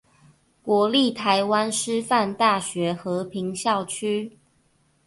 國立臺灣師範大學和平校區